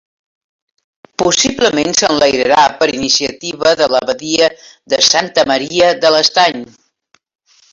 Possiblement s'enlairà per iniciativa de l'abadia de Santa Maria de l'Estany.